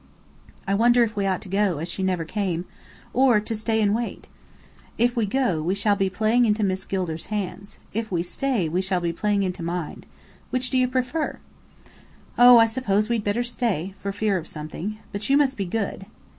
"I wonder if we ought to go, as she never came or stay and wait?" "If we go, we shall be playing into Miss Gilder's hands. If we stay, we shall be playing into mine. Which do you prefer?" "Oh, I suppose we'd better stay for fear of something. But you must be good."